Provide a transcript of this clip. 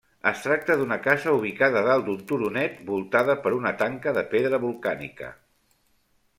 Es tracta d'una casa ubicada dalt d'un turonet, voltada per una tanca de pedra volcànica.